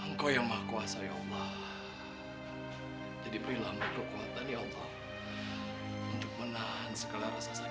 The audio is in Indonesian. engkau yang maha kuasa ya allah jadi berilah maka kuatan ya allah untuk menahan segala rasa